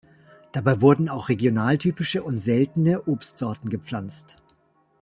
Dabei wurden auch regionaltypische und seltene Obstsorten gepflanzt.